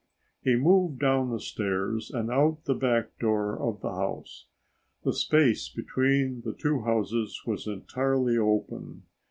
He moved down the stairs and out the back door of the house. The space between the two houses was entirely open.